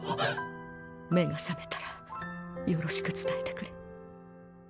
目が覚めたらよろしく伝えてくれ。